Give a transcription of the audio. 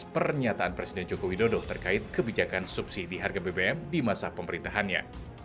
pernyataan presiden joko widodo terkait kebijakan subsidi harga bbm di masa pemerintahannya